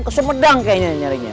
ke sumedang kayaknya nyarinya